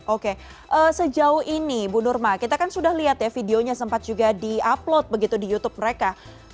oke sejauh ini bu nurma kita kan sudah lihat ya videonya sempat juga di upload begitu di youtube mereka